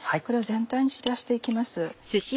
これを全体に散らして行きます。